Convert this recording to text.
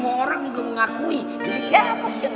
eh tapi lu duluan aja deh kok masih ada urusan